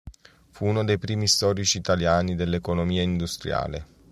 Fu uno dei primi storici italiani dell'economia industriale.